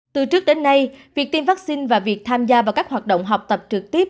từ trước đến nay việc tiêm vaccine và việc tham gia vào các hoạt động học tập trực tiếp